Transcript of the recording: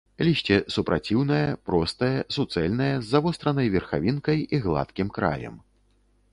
Лісце супраціўнае, простае, суцэльнае, з завостранай верхавінкай і гладкім краем.